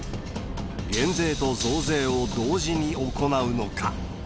減税と増税を同時に行うのか。